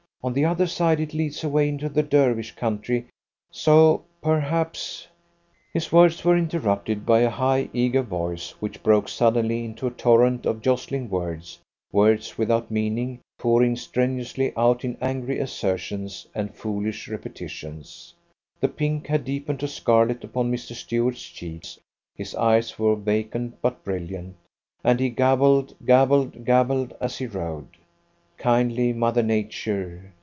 On the other side, it leads away into the Dervish country so, perhaps " His words were interrupted by a high, eager voice, which broke suddenly into a torrent of jostling words, words without meaning, pouring strenuously out in angry assertions and foolish repetitions. The pink had deepened to scarlet upon Mr. Stuart's cheeks, his eyes were vacant but brilliant, and he gabbled, gabbled, gabbled as he rode. Kindly mother Nature!